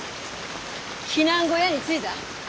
避難小屋に着いだ？